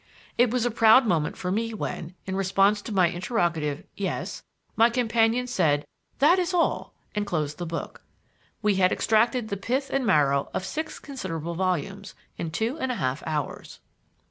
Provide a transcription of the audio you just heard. It was a proud moment for me when, in response to my interrogative "Yes?" my companion said "That is all" and closed the book. We had extracted the pith and marrow of six considerable volumes in two and a half hours.